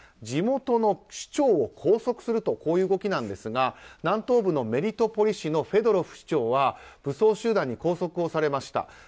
地元の市長を拘束するという動きなんですが南東部のメリトポリ市のフェドロフ市長は武装集団に拘束されました。